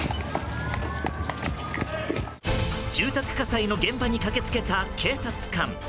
住宅火災の現場に駆け付けた警察官。